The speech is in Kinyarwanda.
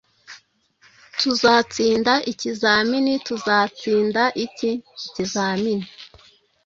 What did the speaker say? Tuzatsinda ikizamini. Tuzatsinda iki? Ikizamini